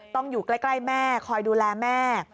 อยู่ใกล้แม่คอยดูแลแม่